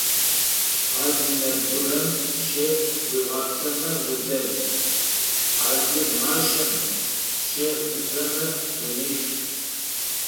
А зы нэбгырэм щэ уигъапцӏэмэ удэл, а зы машэм щэ уифэмэ унэшъу.